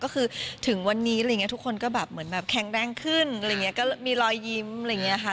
ตื่นวันนี้จริงก็แบบทุกคนแข็งแรงขึ้นลอยยิ้มค่ะ